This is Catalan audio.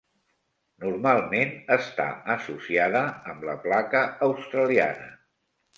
Normalment està associada amb la placa australiana.